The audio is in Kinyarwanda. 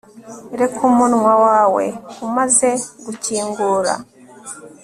reka umunwa wawe umaze gukingura